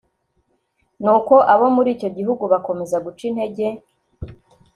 Nuko abo muri icyo gihugu bakomeza guca intege